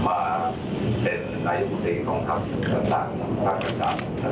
มาเป็นนายกุฏิของครับต่างนะครับ